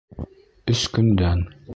Өс көндән.